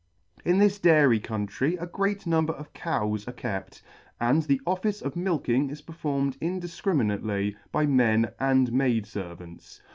In this Dairy Country a great number of Cows are kept, and the office of milking is performed indifcriminately by Men and Maid Servants.